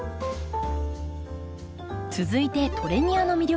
続いてトレニアの魅力